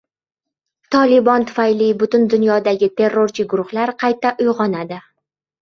"Tolibon" tufayli butun dunyodagi terrorchi guruhlar qayta uyg‘onadi